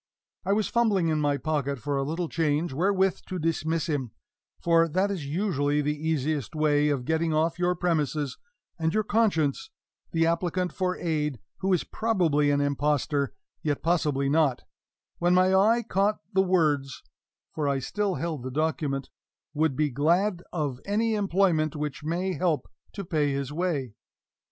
I was fumbling in my pocket for a little change wherewith to dismiss him for that is usually the easiest way of getting off your premises and your conscience the applicant for "aid," who is probably an impostor, yet possibly not when my eye caught the words (for I still held the document), "would be glad of any employment which may help to pay his way."